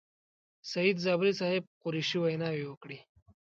سعید زابلي صاحب، قریشي ویناوې وکړې.